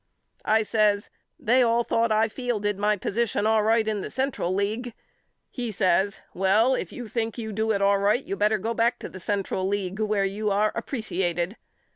I says They all thought I fielded my position all right in the Central League. He says Well if you think you do it all right you better go back to the Central League where you are appresiated.